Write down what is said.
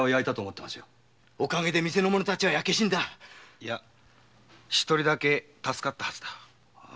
いや一人だけ助かったはずだ。